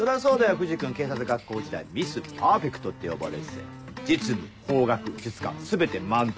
藤君警察学校時代「ミス・パーフェクト」って呼ばれてて実務法学術科全て満点。